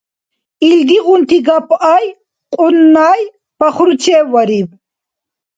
Илдигъунти гапъай Кьуннай пахручеввариб.